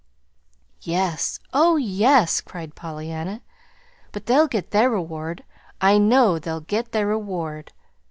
"Yes, oh, yes," cried Pollyanna. "But they'll get their reward I know they'll get their reward!"